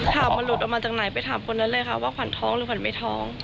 มันหลุดออกมาจากไหนไปถามคนนั้นเลยค่ะว่าขวัญท้องหรือขวัญไม่ท้อง